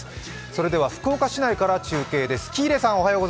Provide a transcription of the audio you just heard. それでは福岡市内から中継です。